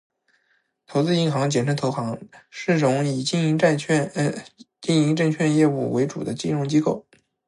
投资银行，简称投行，是种以经营证券业务为主的金融机构